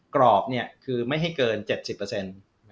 กรอบเนี่ยคือไม่ให้เกิน๗๐เปอร์เซ็นต์